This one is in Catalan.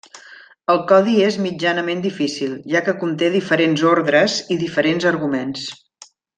El codi és mitjanament difícil, ja que conté diferents ordres i diferents arguments.